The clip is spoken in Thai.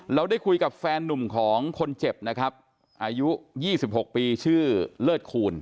เราได้คุยกับแฟนนุ่มของคนเจ็บนะครับอายุ๒๖ปีชื่อเลิศคูณ